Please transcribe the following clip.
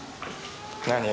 何？